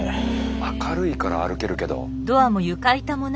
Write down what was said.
明るいから歩けるけど。